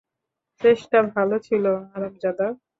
চেষ্টা ভালো ছিল, হারামজাদা।